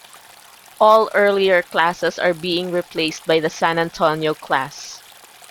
All earlier classes are being replaced by the "San Antonio" class.